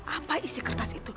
apa isi kertas itu